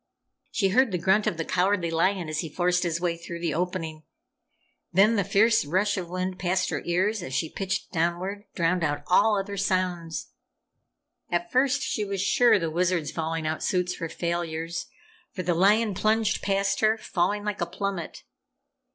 She heard the grunt of the Cowardly Lion as he forced his way through the opening. Then the fierce rush of wind past her ears as she pitched downward, drowned out all other sounds. At first she was sure the Wizard's falling out suits were failures, for the lion plunged past her, falling like a plummet.